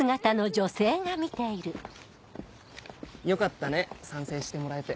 よかったね賛成してもらえて。